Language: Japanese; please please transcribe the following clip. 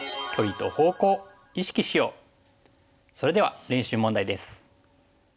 それでは練習問題です。